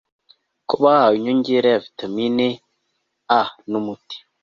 ko bahawe inyongera ya vitamini a n'umuti